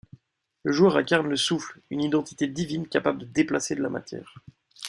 Le joueur incarne le Souffle, une entité divine capable de déplacer de la matière.